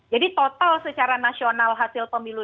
jadi total secara nasional hasil pemilu